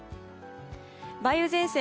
梅雨前線